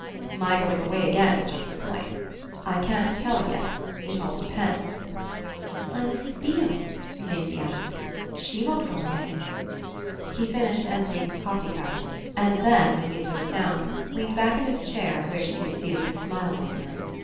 "My going away again is just the point. I can't tell yet it all depends." "On Mrs. Beale?" Maisie asked. "SHE won't go away." He finished emptying his coffee cup and then, when he had put it down, leaned back in his chair, where she could see that he smiled on her.